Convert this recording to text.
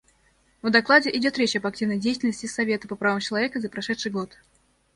В докладе идет речь об активной деятельности Совета по правам человека за прошедший год.